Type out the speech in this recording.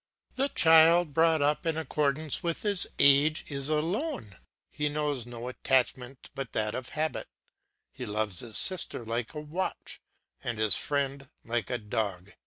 The child brought up in accordance with his age is alone. He knows no attachment but that of habit, he loves his sister like his watch, and his friend like his dog.